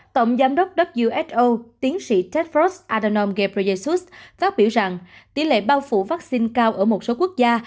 tổng giám đốc who tiến sĩ tedros adhanom ghebreyesus phát biểu rằng tỉ lệ bao phủ vaccine cao ở một số quốc gia